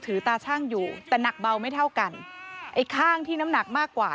ตาชั่งอยู่แต่หนักเบาไม่เท่ากันไอ้ข้างที่น้ำหนักมากกว่า